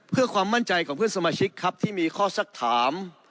เพื่อความมั่นใจของเพื่อนสมาชิกครับที่มีข้อสักถาม